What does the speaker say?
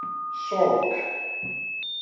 Ṣukk.